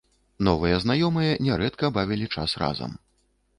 Новыя знаёмыя нярэдка бавілі час разам.